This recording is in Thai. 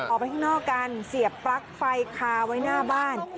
ออกไปข้างนอกกันเสียบปลั๊กไฟคาไว้หน้าบ้าน